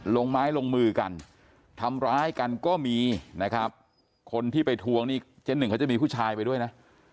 ลงไม้ลงมือกันทำร้ายกันก็มีนะครับคนที่ไปทวงนี่เจ๊หนึ่งเขาจะมีผู้ชายไปด้วยนะ